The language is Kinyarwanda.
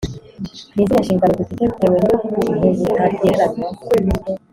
Ni izihe nshingano dufite bitewe n’ubuntubutagereranywa